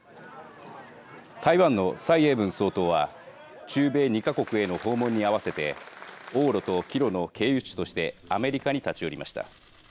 台湾の蔡英文総統は中米２か国への訪問に合わせて往路と帰路の経由地としてアメリカに立ち寄りました。